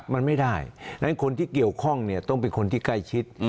มันไม่ได้คนที่เกี่ยวข้องต้องเป็นคนที่ใกล้ชิด